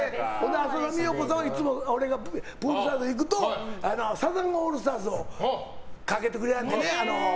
浅田美代子さんは俺がプールサイド行くとサザンオールスターズをかけてくれはるのよね。